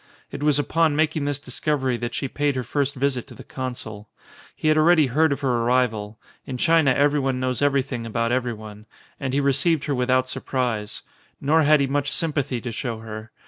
It was upon making this discovery that she paid her first visit to the consul. He had already heard of her arrival ' in China everyone knows everything about everyone — and he received her without sur prise. Nor had he much sympathy to show her.